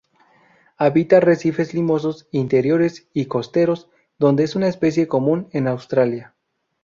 Habita arrecifes limosos interiores y costeros, donde es una especie común en Australia.